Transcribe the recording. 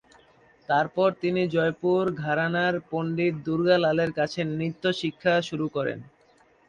তারপরে তিনি জয়পুর ঘরানার পণ্ডিত দুর্গা লালের কাছে নৃত্য শিক্ষা শুরু করেন।